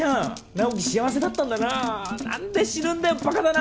直木幸せだったんだな何で死ぬんだよバカだな！